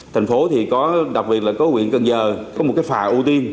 thành phố thì có đặc biệt là có quyền cần giờ có một cái phà ưu tiên